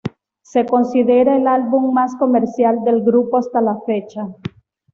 Se considera el álbum más comercial del grupo hasta la fecha.